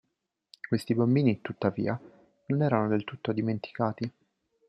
Questi bambini, tuttavia, non erano del tutto dimenticati.